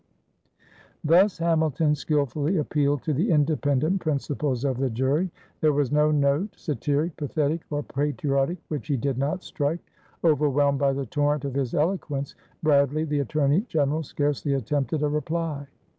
Thus Hamilton skillfully appealed to the independent principles of the jury. There was no note, satiric, pathetic, or patriotic, which he did not strike. Overwhelmed by the torrent of his eloquence, Bradley, the Attorney General, scarcely attempted a reply.